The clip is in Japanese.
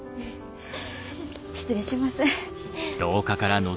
失礼します。